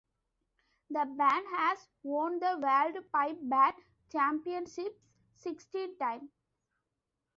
The band has won the World Pipe Band Championships sixteen times.